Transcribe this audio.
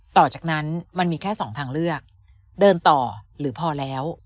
ต่อจากนั้นมันมีแค่สองทางเลือกเดินต่อหรือพอแล้ว